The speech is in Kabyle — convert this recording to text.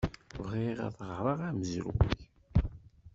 Bɣiɣ ad ɣreɣ amezruy.